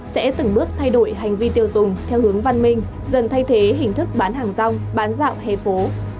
sẽ từng bước thay đổi hành vi tiêu dùng theo hướng văn minh dần thay thế hình thức bán hàng rong bán dạo hay phố